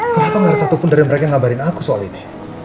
kenapa gak ada satupun dari mereka yang ngabarin aku soal ini